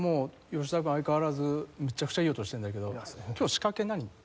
吉田君相変わらずめちゃくちゃいい音してるんだけど今日仕掛け何？